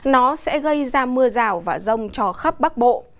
nó sẽ gây ra mưa rào và rông cho khắp bắc bộ